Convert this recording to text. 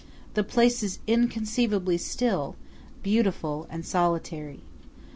The place is inconceivably still, beautiful, and solitary.